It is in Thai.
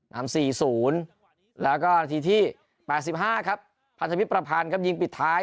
นำ๔๐แล้วก็นาทีที่๘๕ครับพันธมิตรประพันธ์ครับยิงปิดท้าย